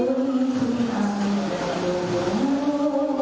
สวัสดีครับสวัสดีครับ